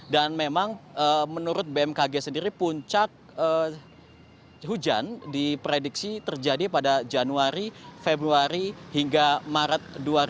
dan memang menurut bmkg sendiri puncak hujan diprediksi terjadi pada januari februari hingga maret dua ribu tujuh belas